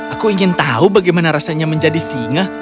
aku ingin tahu bagaimana rasanya menjadi singa